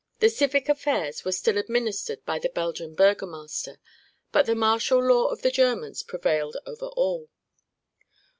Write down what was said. The civic affairs were still administered by the Belgian burgomaster, but the martial law of the Germans prevailed over all.